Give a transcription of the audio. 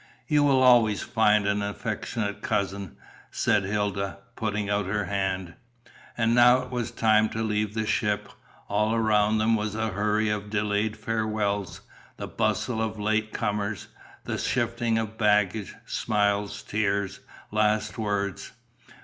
"You will always find an affectionate cousin," said Hilda, putting out her hand. And now it was time to leave the ship. All around them was the hurry of delayed farewells, the bustle of late comers, the shifting of baggage, smiles, tears, last words.